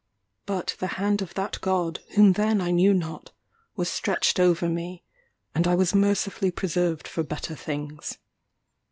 But the hand of that God whom then I knew not, was stretched over me; and I was mercifully preserved for better things.